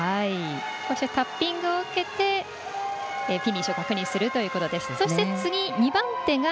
タッピングを受けてフィニッシュを確認するということです。